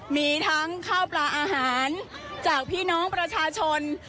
มีทั้งข้าวปลาอาหารจากพี่น้องประชาชน